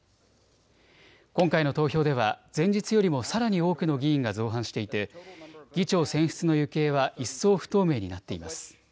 今回の投票では前日よりもさらに多くの議員が造反していて議長選出の行方は一層、不透明になっています。